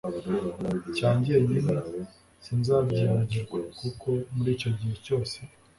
cya njyenyine sinzabyibagirwa kuko muri icyo gihe cyose